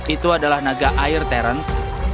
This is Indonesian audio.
itu adalah naga air terence